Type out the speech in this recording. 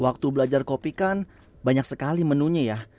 waktu belajar kopi kan banyak sekali menunya ya